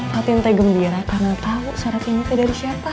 fatin teh gembira karena tau surat ini teh dari siapa